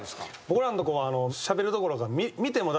僕らのとこはしゃべるどころか。